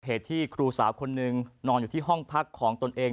เหตุที่ครูสาวคนหนึ่งนอนอยู่ที่ห้องพักของตนเอง